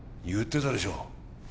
言ってたでしょ